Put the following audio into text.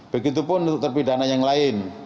begitupun untuk terpidana yang lain